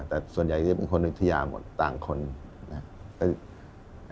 แต่ส่วนใหญ่จะเป็นคนอยุธยาหมดต่างคนนะครับ